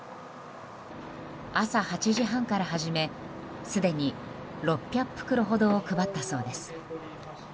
朝８時半から始めすでに６００袋ほどを配ったそうです。